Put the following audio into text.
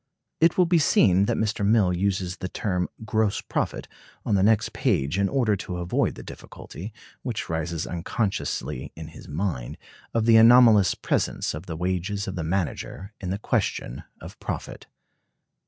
It will be seen that Mr. Mill uses the term "gross profit" on the next page in order to avoid the difficulty, which rises unconsciously in his mind, of the anomalous presence of the wages of the manager in the question of profit.